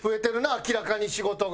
明らかに仕事が。